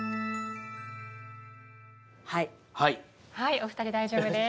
お二人大丈夫です。